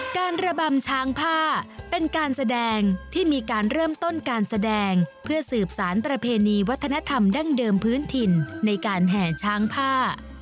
ระบำช้างผ้าเป็นการแสดงที่มีการเริ่มต้นการแสดงเพื่อสืบสารประเพณีวัฒนธรรมดั้งเดิมพื้นถิ่นในการแห่ช้างผ้า